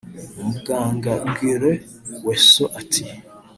Muganga Guillain Lwesso atii